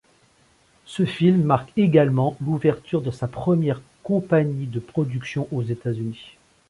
Ce film marque également l’ouverture de sa première compagnie de production aux États-Unis.